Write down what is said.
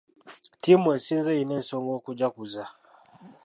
Ttiimu esinze erina ensonga okujaguza.